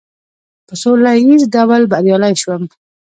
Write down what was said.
په سوله ایز ډول بریالی شوم.